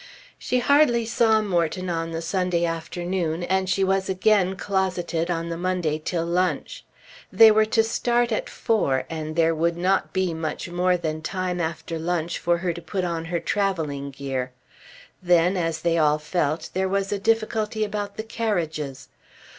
She hardly saw Morton on the Sunday afternoon, and she was again closeted on the Monday till lunch. They were to start at four and there would not be much more than time after lunch for her to put on her travelling gear. Then, as they all felt, there was a difficulty about the carriages.